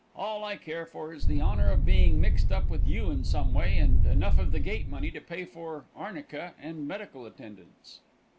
All I care for is the honor of being mixed up with you in some way, and enough of the gate money to pay for arnica and medical attendance.